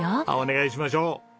ああお願いしましょう！